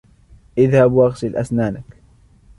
إذهب واغسل أسنانك.